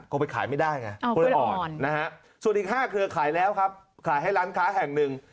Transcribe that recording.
ก็ไปขายไม่ได้ไงคนละอ่อนนะฮะส่วนอีก๕เครือขายแล้วครับขายให้ร้านค้าแห่งหนึ่ง